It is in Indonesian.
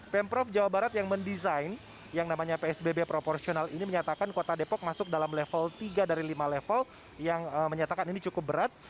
pemprov jawa barat yang mendesain yang namanya psbb proporsional ini menyatakan kota depok masuk dalam level tiga dari lima level yang menyatakan ini cukup berat